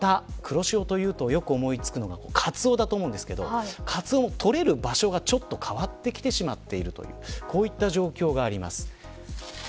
また、黒潮というとよく思いつくのはカツオだと思うんですけどカツオもとれる場所がちょっと変わってきてしまっているという状況があります。